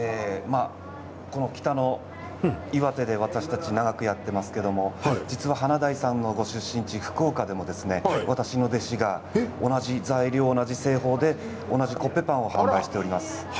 この北の岩手で私たち長くやっていますけれども、実は華大さんのご出身地福岡でも私の弟子が、同じ材料同じ製法で同じコッペパン販売しております。